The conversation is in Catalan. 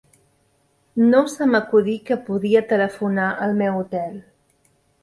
No se m'acudí que podia telefonar al meu hotel